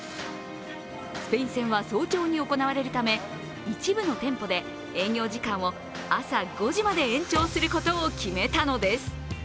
スペイン戦は早朝に行われるため、一部の店舗で営業時間を朝５時まで延長することを決めたのです。